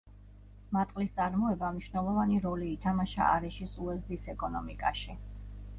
მატყლის წარმოებამ მნიშვნელოვანი როლი ითამაშა არეშის უეზდის ეკონომიკაში.